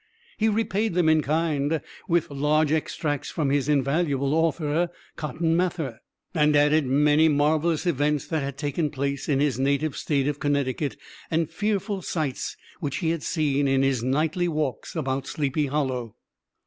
He repaid them in kind with large extracts from his invaluable author, Cotton Mather, and added many marvelous events that had taken place in his native State of Connecticut, and fearful sights which he had seen in his nightly walks about Sleepy Hollow.